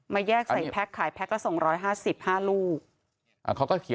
มาแยกใส่แพ็กขายแพ็กละสองร้อยห้าสิบห้าลูก